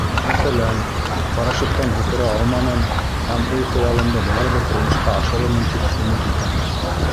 Мәҫәлән, парашюттан һикерә алманым һәм ул хыялымды барыбер тормошҡа ашырырмын тип өмөт итәм.